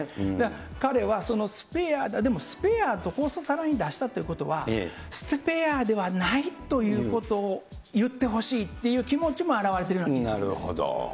彼はスペア、スペアってことさらに出したということは、スペアではないということを言ってほしいっていう気持ちも表れているような気もします。